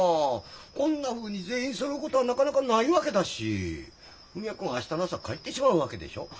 こんなふうに全員そろうことはなかなかないわけだし文也君明日の朝帰ってしまうわけでしょう。